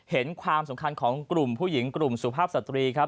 เห็นความสำคัญของกลุ่มผู้หญิงกลุ่มสุภาพสตรีครับ